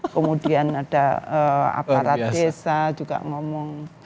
kemudian ada aparat desa juga ngomong